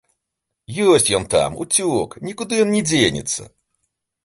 Ёсць ён там, уцёк, нікуды ён не дзенецца.